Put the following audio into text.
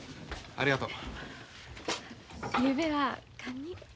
ありがとう。